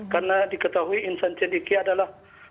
karena diketahui insan cendikia adalah